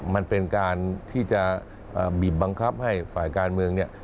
มันเป็นการที่จะบีบบังคับให้ฝ่ายการเมืองเนี่ย